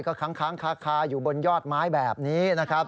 ก็ค้างคาอยู่บนยอดไม้แบบนี้นะครับ